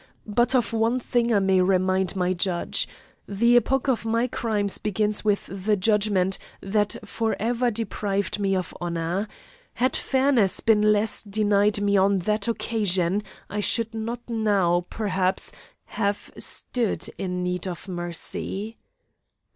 But of one thing I may remind my judge. The epoch of my crimes begins with the judgment that for ever deprived me of honour. Had fairness been less denied me on that occasion, I should not now, perhaps, have stood in need of mercy.